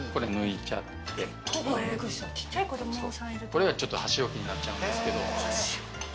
これはちょっと箸置きになっちゃうんですけど。